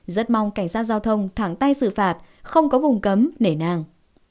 rất mong cảnh sát giao thông thẳng tay xử phạt không có vùng cấm nể nàng